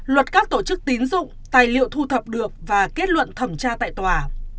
luật các tổ chức tín dụng tài liệu thu thập được và kết luận thẩm tra tại tòa